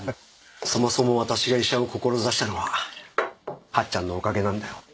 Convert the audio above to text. そもそも私が医者を志したのは八っちゃんのおかげなんだよ